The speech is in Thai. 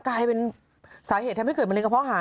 กลายเป็นสาเหตุทำให้เกิดมะเร็งกระเพาะหาย